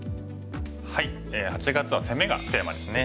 ８月は攻めがテーマですね。